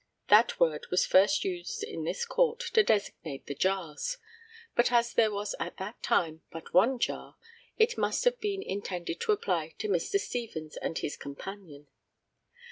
That word was first used in this court to designate the jars; but as there was at that time but one jar, it must have been intended to apply to Mr. Stevens and his companion.